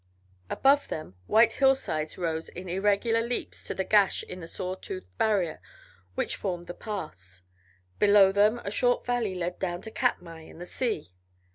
Above them, white hillsides rose in irregular leaps to the gash in the saw toothed barrier which formed the pass; below them a short valley led down to Katmai and the sea.